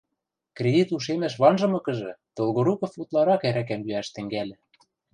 Кредит ушемӹш ванжымыкыжы, Долгоруков утларак ӓрӓкӓм йӱӓш тӹнгӓльӹ.